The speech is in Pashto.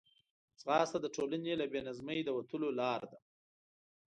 ځغاسته د ټولنې له بې نظمۍ د وتلو لار ده